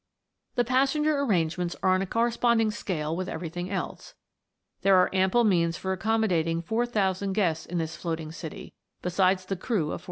The passenger arrangements are on a correspond ing scale with everything else. There are ample means for accommodating 4000 guests in this float ing city, besides the crew of 400.